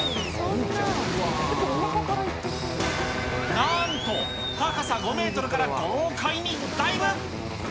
なんと高さ５メートルから豪快にダイブ。